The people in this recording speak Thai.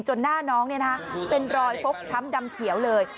หน้าน้องเป็นรอยฟกช้ำดำเขียวเลย